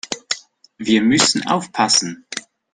Wir müssen aufpassen!